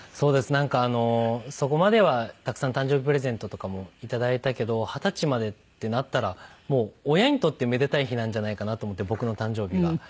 なんかあのそこまではたくさん誕生日プレゼントとかもいただいたけど二十歳までってなったらもう親にとってめでたい日なんじゃないかなと思って僕の誕生日が。